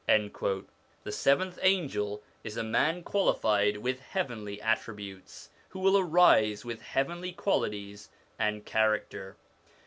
The seventh angel is a man qualified with heavenly attributes, who will arise with heavenly qualities and character.